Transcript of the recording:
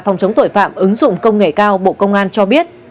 phòng chống tội phạm ứng dụng công nghệ cao bộ công an cho biết